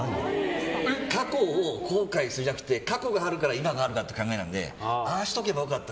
過去を後悔しなくて過去があるから今があるっていう考えなのでああしておけば良かった